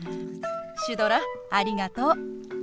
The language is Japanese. シュドラありがとう。